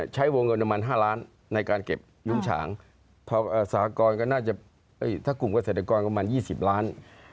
ใช้วงเงินประมาณ๕ล้านในการเก็บยุ้งฉางสากรก็น่าจะถ้ากลุ่มเกษตรกรประมาณ๒๐ล้าน